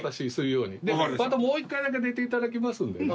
またもう一回だけ寝ていただきますので。